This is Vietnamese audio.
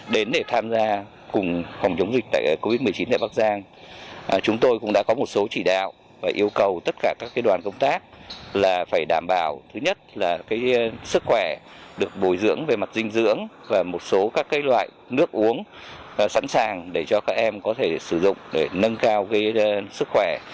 đến để tham gia cùng phòng chống dịch tại covid một mươi chín tại bắc giang chúng tôi cũng đã có một số chỉ đạo và yêu cầu tất cả các đoàn công tác là phải đảm bảo thứ nhất là sức khỏe được bồi dưỡng về mặt dinh dưỡng và một số các loại nước uống sẵn sàng để cho các em có thể sử dụng để nâng cao sức khỏe